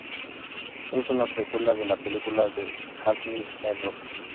Es una precuela de la película The Amityville Horror.